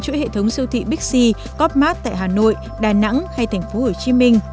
chuỗi hệ thống sưu thị bixi copmart tại hà nội đà nẵng hay tp hcm